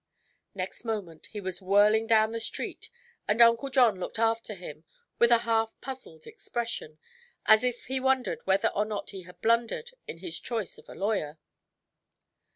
Next moment he was whirling down the street and Uncle John looked after him with a half puzzled expression, as if he wondered whether or not he had blundered in his choice of a lawyer.